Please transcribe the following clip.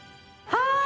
はい。